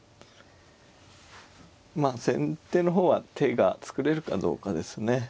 まあ先手の方は手が作れるかどうかですね。